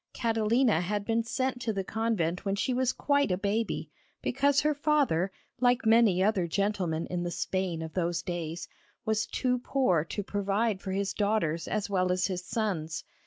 Catalina had been sent to the convent when she was quite a baby, because her father, like many other gentlemen in the Spain of those days, was too poor to provide for his daughters as well as his sons.